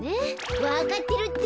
わかってるって。